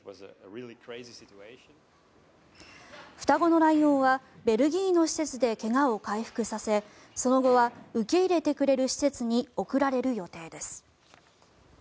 双子のライオンはベルギーの施設で怪我を回復させその後は受け入れてくれる施設に送られる予定です。